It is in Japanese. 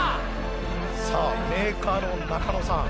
さあメーカーの中野さん。